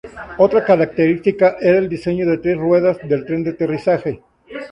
Otra característica era el diseño de tres ruedas del tren de aterrizaje.